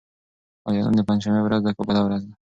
آیا نن د پنجشنبې ورځ ده که بله ورځ؟